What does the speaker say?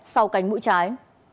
sau cánh mũi trái